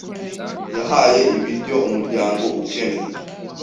Yahaye ibiryo umuryango ukennye.